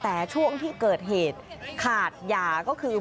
แต่ช่วงที่เกิดเหตุขาดยาก็คือ